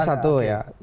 jadi gak masuk akal